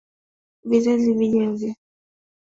Kuzihifadhi kwa ajili ya watoto na vizazi vijavyo.